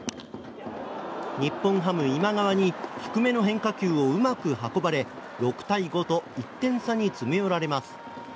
日本ハム今川に低めの変化球をうまく運ばれ６対５と１点差に詰められます。